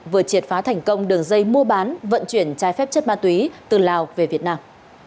vừa triệt phá thành công đường dây mua bán vận chuyển trái phép chất ma túy từ lào về việt nam